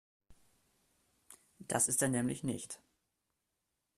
Das ist er nämlich nicht.